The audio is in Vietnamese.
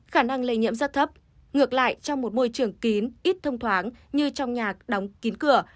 khả năng lây nhiễm rất thấp ngược lại trong một môi trường kín ít thông thoáng như trong nhạc đóng kín cửa